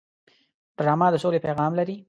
ډرامه د سولې پیغام لري